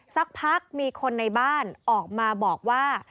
สักพักมีคนในบ้านออกมาบอกว่า